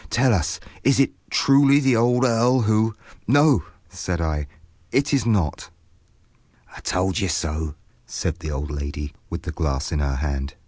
Tell us, is it truly the old earl who—" "No," said I, "it is not." "I told you so," said the old lady, with the glass in her hand.